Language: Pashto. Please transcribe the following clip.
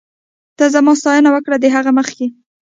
ته زما ستاينه وکړه ، د هغې مخکې